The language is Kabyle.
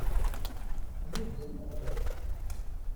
Ula d dayi ɣlay.